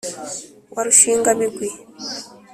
wa rushingabigwi